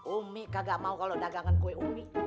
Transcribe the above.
umi kagak mau kalau dagangan kue umi